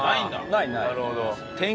ないない。